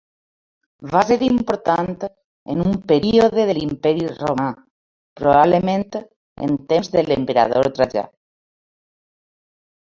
Va ser important en un període de l'imperi Romà, probablement en temps de l'emperador Trajà.